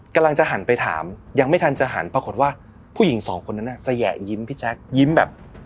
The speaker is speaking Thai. กำลังจะหันไปถามยังไม่ทันจะหันปรากฏว่าผู้หญิงสองคนนั้นสยะยิ้มพี่แจ๊คยิ้มแบบ